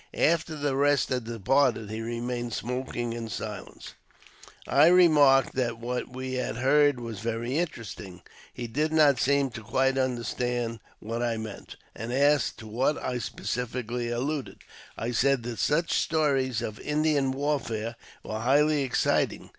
After the rest had departed he remained smoking in silence. I remarked that w^hat we had heard was very interesting. He did not seem to quite understand what I meant, and asked to what I specially alluded. I said that such stories of Indian w^ar fare were highly exciting.